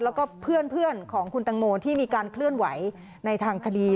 แล้วก็เพื่อนของคุณตังโมที่มีการเคลื่อนไหวในทางคดี